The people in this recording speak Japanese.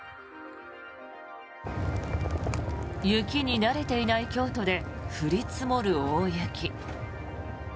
雪に慣れていない京都で降り積もる大雪。